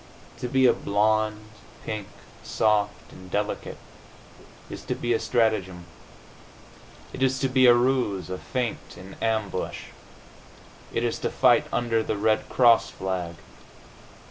To be a blonde, pink, soft and delicate, is to be a strategem. It is to be a ruse, a feint, an ambush. It is to fight under the Red Cross flag.